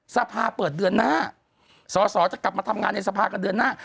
สภาเปิดเดือนหน้าสอสอจะกลับมาทำงานในสภากันเดือนหน้า